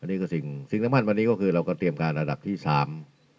นี่คือสิ่งสิ่งสำคัญวันนี้ก็คือเราก็เตรียมการระดับที่สาม